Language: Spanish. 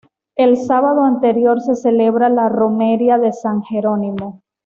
El sábado anterior se celebra la romería de San Jerónimo.